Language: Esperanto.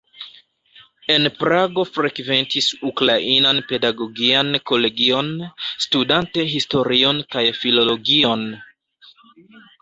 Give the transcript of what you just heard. En Prago frekventis Ukrainan pedagogian kolegion, studante historion kaj filologion.